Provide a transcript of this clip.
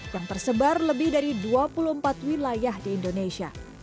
yang tersebar lebih dari dua puluh empat wilayah di indonesia